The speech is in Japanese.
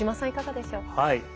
いかがでしょう？